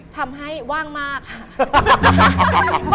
ทำให้ว่างมากค่ะ